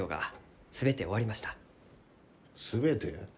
全て？